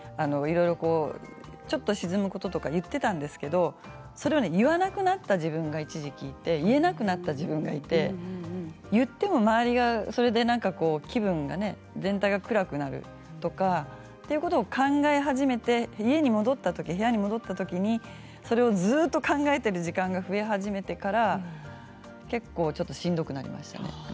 いろいろ、ちょっと沈むこととか言っていたんですけどそれを言わなくなった自分が一時期いて言えなくなった自分がいて言っても周りが気分が、全体が暗くなるとかということを考え始めて家に戻ったとき部屋に戻ったときにそれをずっと考えている時間が増え始めてから結構しんどくなりましたね。